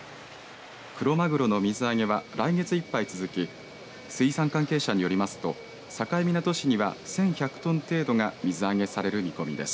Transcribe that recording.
クロマグロの水揚げは来月いっぱい続き水産関係者によりますと境港市には１１００トン程度が水揚げされる見込みです。